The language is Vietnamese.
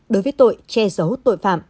đối với tội che giấu tội phạm